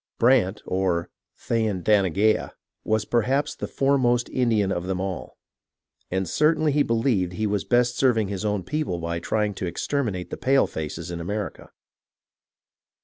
Brant, or Thayendanegea, was perhaps the foremost Indian of them all, and certainly he believed he was best serving his own people by trying to exterminate the palefaces in America.